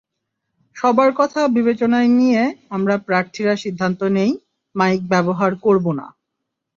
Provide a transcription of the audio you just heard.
সবার কথা বিবেচনায় নিয়ে আমরা প্রার্থীরা সিদ্ধান্ত নিই, মাইক ব্যবহার করব না।